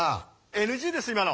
ＮＧです今の。